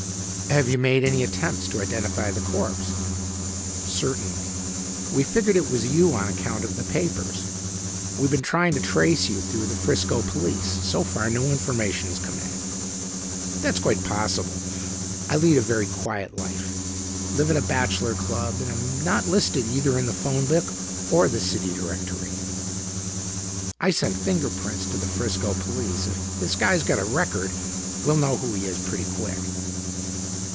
"Have you made any attempts to identity the corpse?" "Certainly. We figured it was you on account of the papers. We been trying to trace you through the Frisco police. So far no information has come in." "That's quite possible. I lead a very quiet life; live at a bachelor club and am not listed either in the phone book or the City Directory." "I sent finger prints to the Frisco Police. If this guy's got a record, we'll know who he is pretty quick."